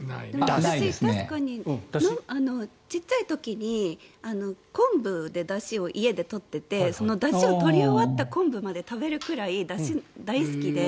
私、確かに小さい時に昆布でだしを取っていてそのだしを取り終わった昆布まで食べるぐらいだし、大好きで。